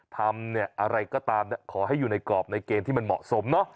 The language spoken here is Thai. ทำอะไรก็ตามขอให้อยู่ในกรอบในเกณฑ์ที่มันเหมาะสมเนอะ